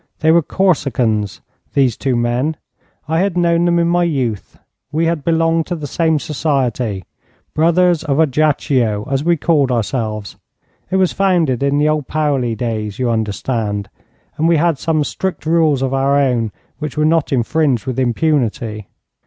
'They were Corsicans, these two men. I had known them in my youth. We had belonged to the same society Brothers of Ajaccio, as we called ourselves. It was founded in the old Paoli days, you understand, and we had some strict rules of our own which were not infringed with impunity.'